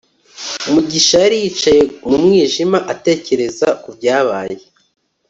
mugisha yari yicaye mu mwijima atekereza ku byabaye